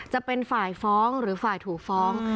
จะเป็นฝ่ายฟ้องหรือฝ่ายถูกฟ้อง